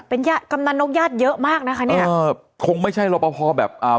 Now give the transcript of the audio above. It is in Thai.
เป็นญาติกำนันนกญาติเยอะมากนะคะเนี้ยเออคงไม่ใช่รอปภแบบอ่า